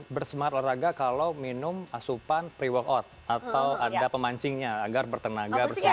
bersemangat olahraga kalau minum asupan pre workout atau ada pemancingnya agar bertenaga bersenangat